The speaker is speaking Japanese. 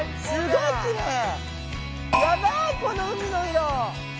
すごいね。